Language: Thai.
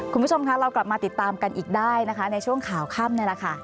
คุณผู้ชมคะเรากลับมาติดตามกันอีกได้นะคะในช่วงข่าวค่ำนี่แหละค่ะ